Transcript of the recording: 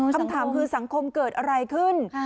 คำถามคือสังคมเกิดอะไรขึ้น